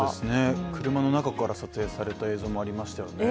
車の中から撮影された映像もありましたよね。